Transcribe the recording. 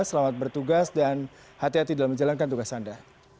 selamat bertugas dan hati hati dalam menjalankan tugas anda